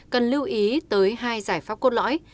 cần lưu ý tới hai giải pháp cốt lõi